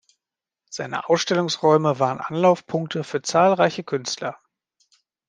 Seine Ausstellungsräume waren Anlaufpunkte für zahlreiche Künstler.